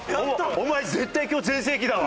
お前絶対今日全盛期だわ。